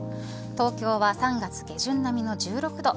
東京は３月下旬並みの１６度。